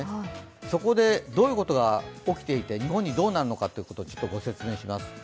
そこでどういうことが起きていて、日本にどうなるかをご説明します。